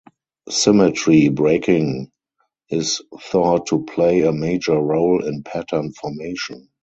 Symmetry breaking is thought to play a major role in pattern formation.